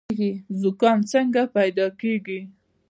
زکام څنګه پیدا کیږي؟